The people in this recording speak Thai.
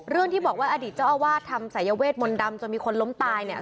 ที่บอกว่าอดีตเจ้าอาวาสทำสายเวทมนต์ดำจนมีคนล้มตายเนี่ย